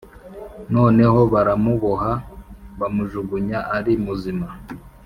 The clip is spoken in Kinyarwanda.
noneho baramuboha bamujugunya ari muzima